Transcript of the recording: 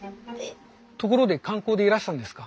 ところで観光でいらしたんですか？